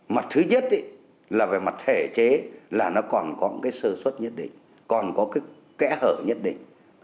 mặt thứ nhất là về mặt thể chế là nó còn có một cái sơ xuất nhất định còn có cái kẽ hở nhất định